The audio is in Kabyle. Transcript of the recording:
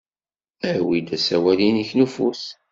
Awi-d asawal-nnek n ufus.